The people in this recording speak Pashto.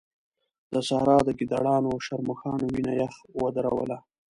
د سارا د ګيدړانو او شرموښانو وينه يخ ودروله.